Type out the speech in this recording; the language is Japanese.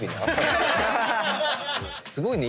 すごいね。